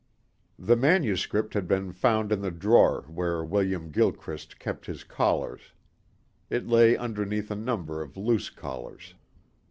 18 The manuscript had been found in the drawer where William Gilchrist kept his collars. It lay underneath a number of loose collars.